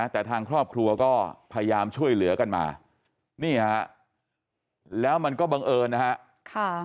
แต่ทางครอบครัวก็พยายามช่วยเหลือกันมานี่ฮะแล้วมันก็บังเอิญนะฮะ